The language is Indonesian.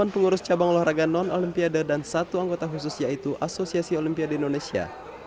delapan pengurus cabang olahraga non olimpiade dan satu anggota khusus yaitu asosiasi olimpiade indonesia